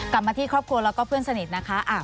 กลับมาที่ครอบครัวแล้วก็เพื่อนสนิทนะคะ